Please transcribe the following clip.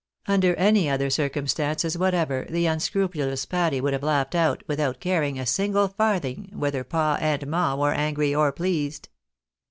Under any other circumstances what ever, the unscrupulous Patty would have laughed out, without caring a single farthing whether "pa" and " ma" were angry or [leased.